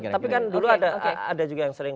tapi kan dulu ada juga yang sering